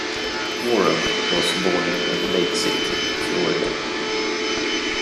Warren was born in Lake City, Florida.